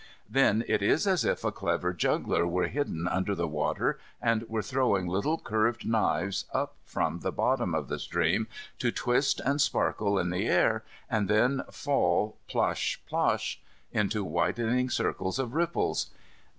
Then it is as if a clever juggler were hidden under the water and were throwing little curved knives up from the bottom of the stream to twist and sparkle in the air, and then fall plosh, plosh, into widening circles of ripples.